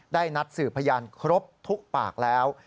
ได้นัดสืบพยานครบทุกปากแล้ว